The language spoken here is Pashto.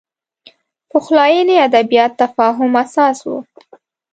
پخلاینې ادبیات تفاهم اساس و